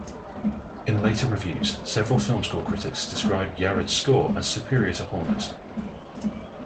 In later reviews, several film score critics describe Yared's score as superior to Horner's.